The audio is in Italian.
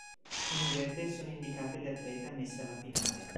In verde sono indicate le atlete ammesse alla finale.